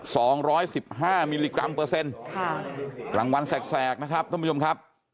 สองร้อยสิบห้ามิลลิกรัมเปอร์เซ็นต์ค่ะรางวัลแสกแสกนะครับท่านผู้ชมครับ